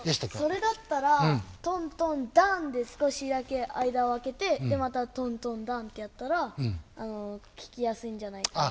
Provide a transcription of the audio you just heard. それだったらトントンダンで少しだけ間を空けてまたトントンダンってやったら聞きやすいんじゃないかな。